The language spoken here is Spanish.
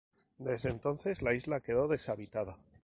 Desde entonces la isla quedó deshabitada.